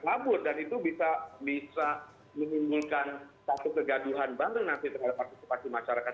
tengah partisipasi masyarakat